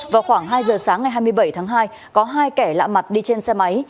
vào khoảng hai giờ sáng ngày hai mươi bảy tháng hai có hai kẻ lạ mặt đi trên xe máy